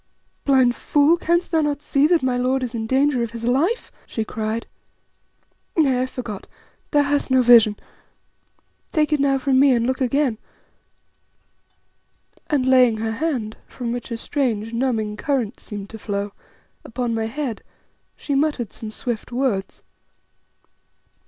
"Blind fool, canst thou not see that my lord is in danger of his life?" she cried. "Nay, I forgot, thou hast no vision. Take it now from me and look again;" and laying her hand, from which a strange, numbing current seemed to flow, upon my head, she muttered some swift words.